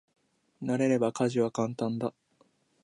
慣れれば家事は簡単だ。